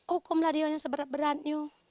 hukumlah dia yang seberat beratnya